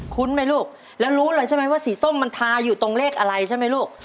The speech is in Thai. ไหมลูกแล้วรู้เลยใช่ไหมว่าสีส้มมันทาอยู่ตรงเลขอะไรใช่ไหมลูก